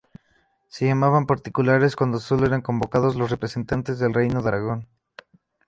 Se llamaban particulares cuando solo eran convocados los representantes del Reino de Aragón.